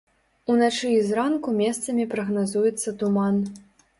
Уначы і зранку месцамі прагназуецца туман.